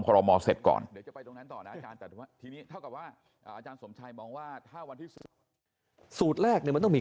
ก่อนเพราะว่าอาจารย์ส่วนไชยมองว่าวันที่สุดแรกมึงได้